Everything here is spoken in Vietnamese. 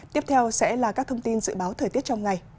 tiếp theo sẽ là các thông tin dự báo thời tiết trong ngày